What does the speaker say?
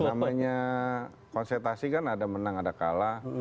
namanya konsentrasi kan ada menang ada kalah